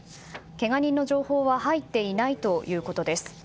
けが人の情報は入っていないということです。